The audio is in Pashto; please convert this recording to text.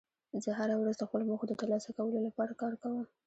زه هره ورځ د خپلو موخو د ترلاسه کولو لپاره کار کوم